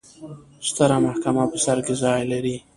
ستره محکمه په سر کې ځای لري.